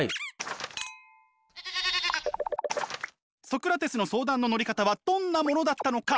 ソクラテスの相談の乗り方はどんなものだったのか。